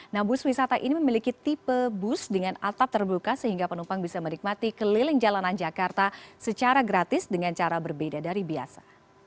nah bus wisata ini memiliki tipe bus dengan atap terbuka sehingga penumpang bisa menikmati keliling jalanan jakarta secara gratis dengan cara berbeda dari biasa